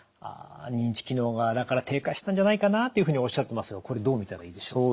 認知機能がだから低下したんじゃないかなっていうふうにおっしゃってますがこれどう見たらいいでしょう？